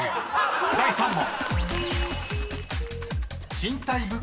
［第３問］